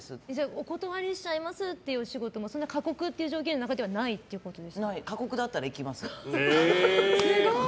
お断りしちゃいますっていう仕事もそんな過酷という条件ではないということですか？